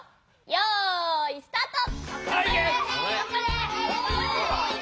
よいスタート！